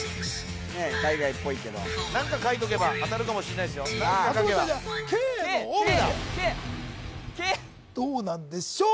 海外っぽいけど何か書いとけば当たるかもしれないですよ・ＫＫだよＫＫどうなんでしょう